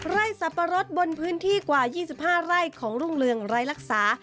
สับปะรดบนพื้นที่กว่า๒๕ไร่ของรุ่งเรืองไร้รักษา